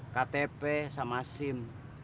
ktp sama sim